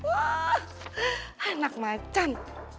wah anak macem